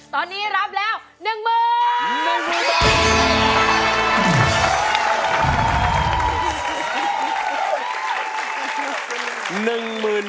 ตอนนี้รับแล้ว๑๑๐๐๐บาท